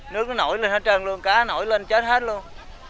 nước nó nổi lên hết trơn luôn cá nổi lên chết hết luôn